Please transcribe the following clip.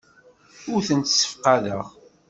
Ur tent-ssefqadeɣ.